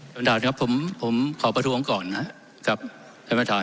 ท่านประธานครับผมผมขอประท้วงก่อนนะครับกับท่านประธาน